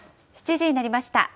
７時になりました。